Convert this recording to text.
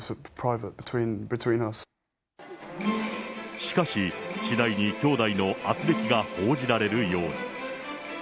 しかし、次第に兄弟のあつれきが報じられるように。